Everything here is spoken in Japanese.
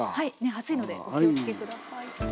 熱いのでお気をつけ下さい。